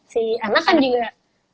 si anak kan juga